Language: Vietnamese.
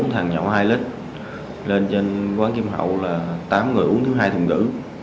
thằng nhậu hai lít lên trên quán kim hậu là tám người uống thứ hai thùng rử